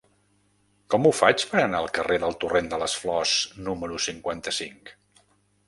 Com ho faig per anar al carrer del Torrent de les Flors número cinquanta-cinc?